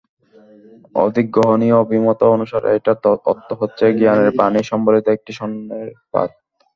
অধিক গ্রহণীয় অভিমত অনুসারে এটার অর্থ হচ্ছে, জ্ঞানের বাণী সম্বলিত একটি স্বর্ণের পাত।